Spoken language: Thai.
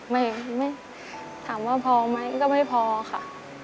ไม่ถามว่าพอไหมก็ไม่พอค่ะ